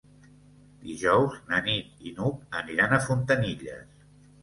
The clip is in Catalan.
Dijous na Nit i n'Hug aniran a Fontanilles.